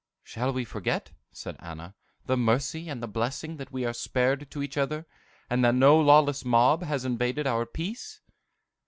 "Shall we forget," said Anna, "the mercy and the blessing that we are spared to each other, and that no lawless mob has invaded our peace?"